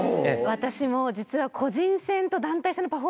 私も実は。